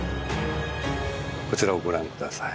こちらをご覧下さい。